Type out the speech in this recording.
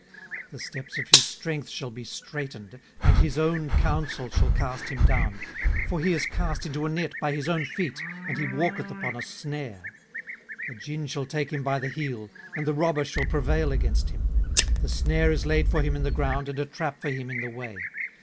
18:018:007 The steps of his strength shall be straitened, and his own counsel shall cast him down. 18:018:008 For he is cast into a net by his own feet, and he walketh upon a snare. 18:018:009 The gin shall take him by the heel, and the robber shall prevail against him. 18:018:010 The snare is laid for him in the ground, and a trap for him in the way.